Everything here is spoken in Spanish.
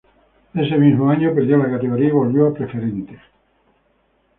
Ese mismo año perdió la categoría y volvió a Preferente.